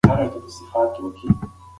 عدالت باید د ټولنې په هر غړي یو شان پلی شي.